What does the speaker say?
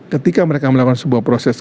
ketika mereka melakukan sebuah proses